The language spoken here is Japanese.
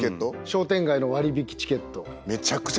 商店街の割引チケット。